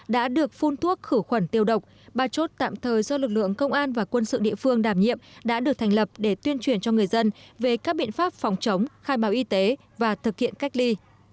đã được phun thuốc khử khuẩn tiêu độc ba chốt tạm thời do lực lượng công an và quân sự địa phương đảm nhiệm đã được thành lập để tuyên truyền cho người dân về các biện pháp phòng chống khai báo y tế và thực hiện cách ly